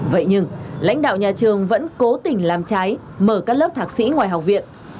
vậy nhưng lãnh đạo nhà trường vẫn cố tình làm trái mở các lớp thạc sĩ ngoài học viện